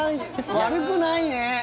悪くないね。